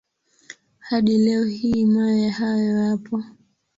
Hadi leo hii mawe hayo yapo.